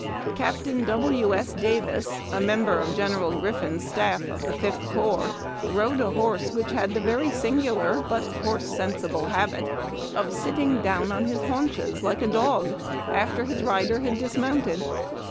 Captain W. S. Davis, a member of General Griffin's staff of the Fifth Corps, rode a horse which had the very singular but horse sensible habit of sitting down on his haunches, like a dog, after his rider had dismounted.